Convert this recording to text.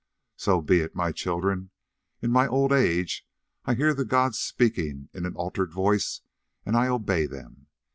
So be it, my children; in my old age I hear the gods speaking in an altered voice and I obey them.